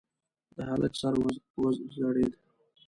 د هلک سر وځړېد.